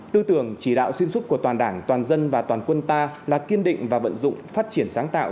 tư tưởng chỉ đạo xuyên suốt của toàn đảng toàn dân và toàn quân ta là kiên định và vận dụng phát triển sáng tạo